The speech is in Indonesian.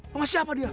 sama siapa dia